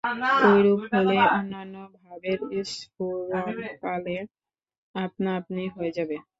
ঐরূপ হলেই অন্যান্য ভাবের স্ফুরণ কালে আপনা-আপনি হয়ে যাবে।